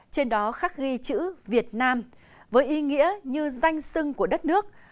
trên đó khắc ghi chữ việt nam với ý nghĩa như danh sưng của đất nước